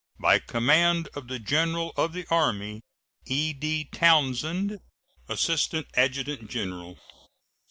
By command of the General of the Army: E.D. TOWNSEND, Assistant Adjutant General.